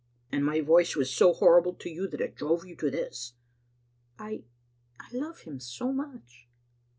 " And my voice was so horrible to you that it drove you to this?" " I — I love him so much."